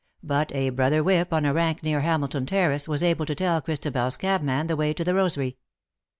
But a brother whip on a rank near Hamilton Terrace was able to tell ChristabeFs cab man the way to the Rosary.